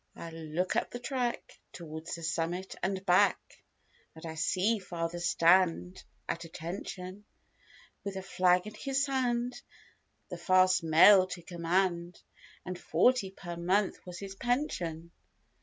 I look up the track towards the Summit and back. And I see father stand at attention; With a flag in his hand the fast mail to command. And forty per month was his pension.